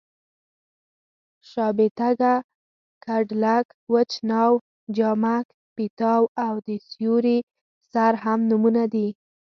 شابېتکه، کډلک، وچ ناو، جامک پېتاو او د سیوري سر هم نومونه دي.